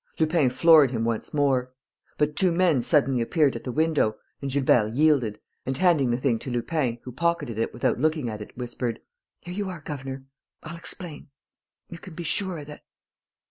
Lupin floored him once more. But two men suddenly appeared at the window; and Gilbert yielded and, handing the thing to Lupin, who pocketed it without looking at it, whispered: "Here you are, governor.... I'll explain. You can be sure that...."